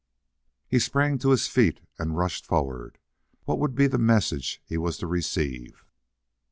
He sprang to his feet and rushed forward. What would be the message he was to receive?